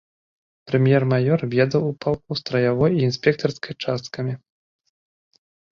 Прэм'ер-маёр ведаў у палку страявой і інспектарскай часткамі.